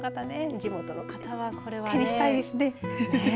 地元の方は手にしたいですね。